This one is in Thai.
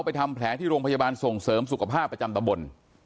ไปทำแผลที่โรงพยาบาลส่งเสริมศักดาลัยพัฒนาบัน